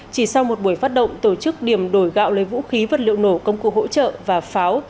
chỉ sau một buổi phát động tổ chức điểm đổi gạo lấy vũ khí vật liệu nổ công cụ hỗ trợ và pháo